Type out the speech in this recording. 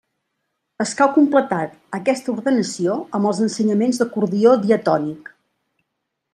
Escau completar aquesta ordenació amb els ensenyaments d'acordió diatònic.